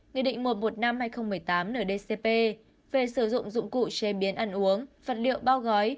nghị định mùa một năm hai nghìn một mươi tám nửa dcp về sử dụng dụng cụ chế biến ăn uống vật liệu bao gói